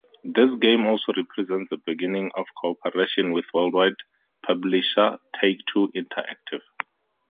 This game also represents the beginning of cooperation with worldwide publisher Take-Two Interactive.